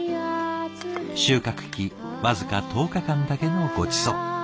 収穫期僅か１０日間だけのごちそう。